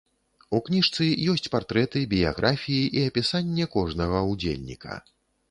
У кніжцы ёсць партрэты, біяграфіі і апісанне кожнага ўдзельніка.